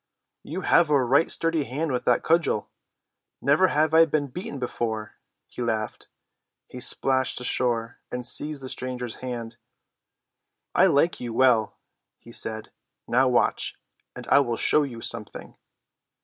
"You have a right sturdy hand with the cudgel. Never have I been beaten before," he laughed. He splashed ashore and seized the stranger's hand. "I like you well," he said. "Now watch, and I will show you something."